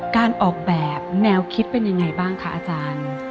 การออกแบบแนวคิดเป็นยังไงบ้างคะอาจารย์